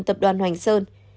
tập đoàn hoành sơn